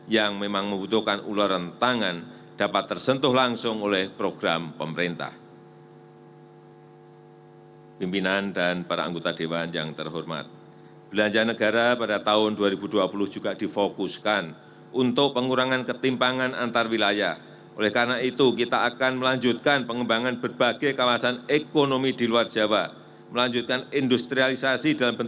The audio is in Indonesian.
yang memang membutuhkan bantuan